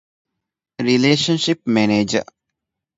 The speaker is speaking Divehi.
ރިލޭޝަންޝިޕް މެނޭޖަރ